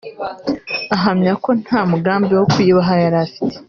ahamya ko nta mugambi wo kuyiba yari afite